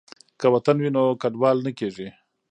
که وطن وي نو کډوال نه کیږي.